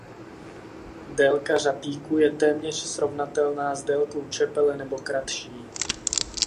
Délka řapíku je téměř srovnatelná s délkou čepele nebo kratší.